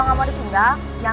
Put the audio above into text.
nanti udah kemaren